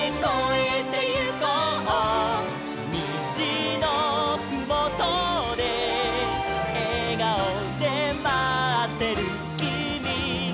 「にじのふもとでえがおでまってるきみがいる」